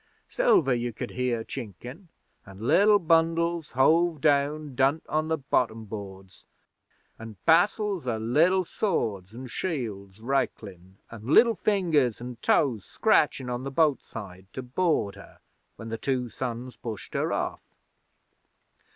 Silver you could hear chinkin', an' liddle bundles hove down dunt on the bottom boards, an' passels o' liddle swords an' shields raklin', an' liddle fingers an' toes scratchin' on the boatside to board her when the two sons pushed her off.